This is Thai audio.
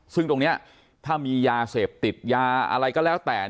ซึ่งตรงนี้ถ้ามียาเสพติดยาอะไรก็แล้วแต่